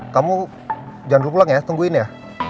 kamu jangan lupa pulang ya tungguin ya